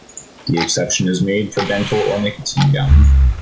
The exception is made for dental or nicotine gum.